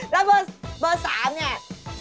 แล้วเบอร์๓เนี่ย